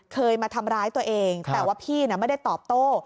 เคยมาทำร้ายตัวเองแต่ว่าพี่ไม่ได้ตอบโต้